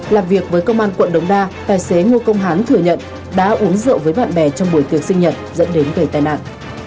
làm việc với công an quận đống đa tài xế ngô công hán thừa nhận đã uống rượu với bạn bè trong buổi tiệc sinh nhật dẫn đến gây tai nạn